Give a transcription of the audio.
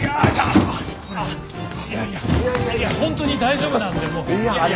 いやいや本当に大丈夫なんでもう。